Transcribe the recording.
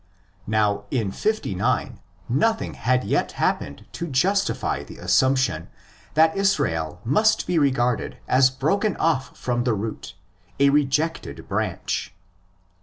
Now in 59 nothing had yet happened to justify the assumption that Israel must be regarded as broken off from the root—a rejected branch (xi.